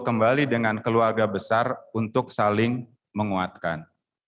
kembali dengan keluarga besar untuk saling menguatkan